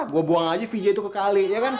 gue buang aja vj itu kekali ya kan